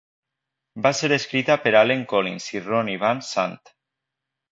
Va ser escrita per Allen Collins i Ronnie Van Zant.